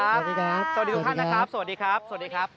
สวัสดีครับสวัสดีทุกท่านนะครับสวัสดีครับสวัสดีครับ